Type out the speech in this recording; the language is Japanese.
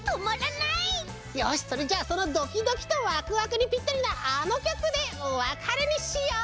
よしそれじゃそのドキドキとワクワクにぴったりなあのきょくでおわかれにしよう！